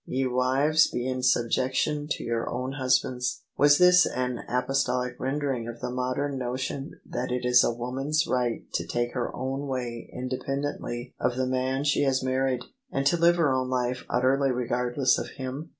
" Ye wives, be in subjection to your own husbands": — ^was this an apostolic rendering of the modern notion that it is a woman's right to take her own way independently of the man she has married, and to live her own life utterly regardless of him